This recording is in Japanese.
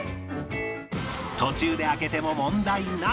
途中で開けても問題なし